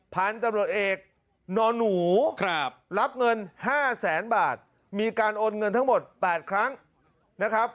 พันธุ์ตำรวจเอกนอนหนูรับเงิน๕แสนบาทมีการโอนเงินทั้งหมด๘ครั้งนะครับ